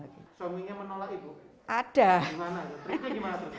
suaminya menolak ibu